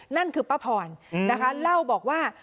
นั่นคือป้าพรนะคะเล่าบอกว่า